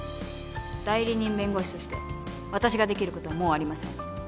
代理人弁護士として私ができることはもうありません。